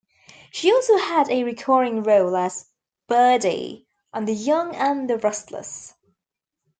She also had a recurring role as "Birdie" on "The Young and the Restless".